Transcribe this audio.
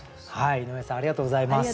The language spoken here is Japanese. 井上さんありがとうございました。